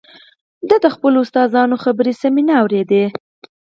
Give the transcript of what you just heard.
ده د خپلو استادانو خبرې سمې نه اورېدې